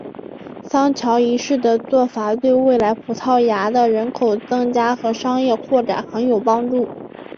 桑乔一世的做法对未来葡萄牙的人口增加和商业扩展很有帮助。